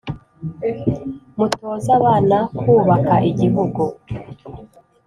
mutoze abana kubaka igihugu